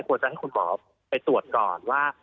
ควรจะให้คุณหมอไปตรวจก่อนว่า